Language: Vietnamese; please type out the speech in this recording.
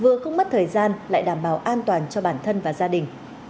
vừa không mất thời gian lại đảm bảo an toàn cho bản thân và gia đình